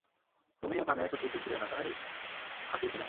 তুমি ওখানে স্বস্তিতে ছিলে না তাই থাকিয়ে ছিলাম।